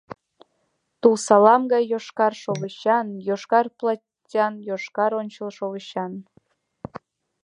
Тул салым гай йошкар шовычан, йошкар платьан, йошкар ончылшовычан…